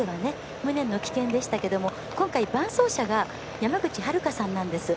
無念の棄権でしたが今回伴走者が山口遥さんなんです。